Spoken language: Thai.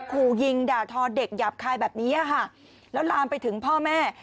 ขู่ยิงด่าทอเด็กหยาบคายแบบนี้ค่ะแล้วลามไปถึงพ่อแม่